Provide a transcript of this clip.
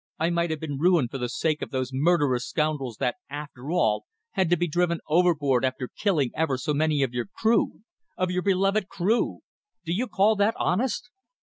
I might have been ruined for the sake of those murderous scoundrels that, after all, had to be driven overboard after killing ever so many of your crew of your beloved crew! Do you call that honest?"